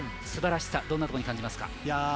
すばらしさどんなふうに感じますか？